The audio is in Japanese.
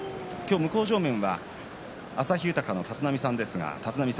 向正面は旭豊の立浪さんです。